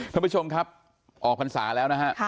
ท่านผู้ชมครับออกพรรษาแล้วนะฮะ